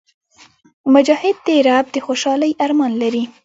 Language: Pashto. مجاهد د رب د خوشحالۍ ارمان لري.